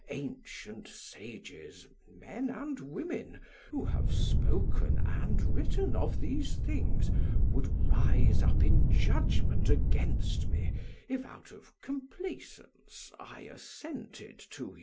Ancient sages, men and women, who have spoken and written of these things, would rise up in judgment against me, if out of complaisance I assented to you.